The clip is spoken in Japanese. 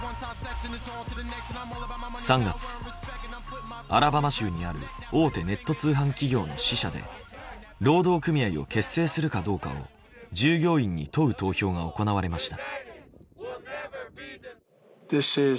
３月アラバマ州にある大手ネット通販企業の支社で労働組合を結成するかどうかを従業員に問う投票が行われました。